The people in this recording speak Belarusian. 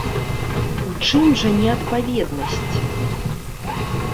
У чым жа неадпаведнасць?